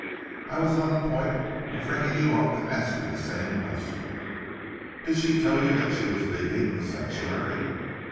"I was on the point of ringing you up to ask you the same question." "Did she tell you that she was leaving The Sanctuary?"